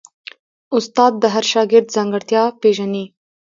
استاد د هر شاګرد ځانګړتیا پېژني.